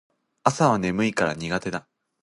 朝は眠いから苦手だ